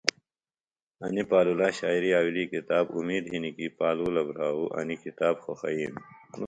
انی پالولا شاعری آویلی کتاب اومید ہِنیۡ کیۡ پالولہ بھراو انیۡ کتاب خوخئین۔